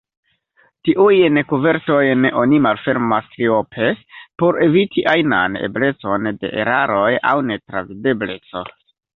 Tiujn kovertojn oni malfermas triope, por eviti ajnan eblecon de eraroj aŭ netravidebleco.